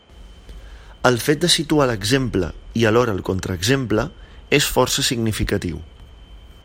El fet de situar l'exemple i alhora el contraexemple és força significatiu.